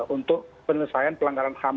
untuk penyelesaian pelanggaran ham